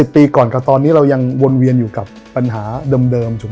ปีก่อนกับตอนนี้เรายังวนเวียนอยู่กับปัญหาเดิมถูก